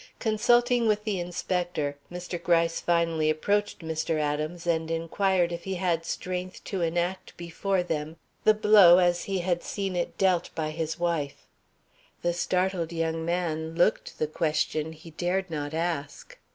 Consulting with the inspector, Mr. Gryce finally approached Mr. Adams and inquired if he had strength to enact before them the blow as he had seen it dealt by his wife. The startled young man looked the question he dared not ask.